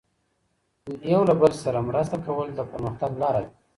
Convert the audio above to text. یو له بل سره مرسته کول د پرمختګ لاره ده.